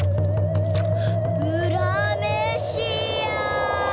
うらめしや！